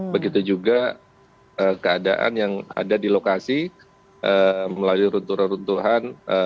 begitu juga keadaan yang ada di lokasi melalui runtuhan runtuhan